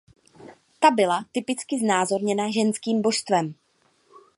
Ta byla typicky znázorněna ženským božstvem.